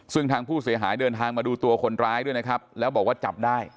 ซึ่งทางผู้เสียหายเดินทางมาดูตัวคนร้ายด้วยนะครับแล้วบอกว่าจับได้